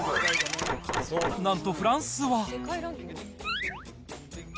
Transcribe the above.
なんとフランスは。